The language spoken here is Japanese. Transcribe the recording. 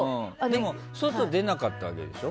でも、外に出なかったわけでしょ。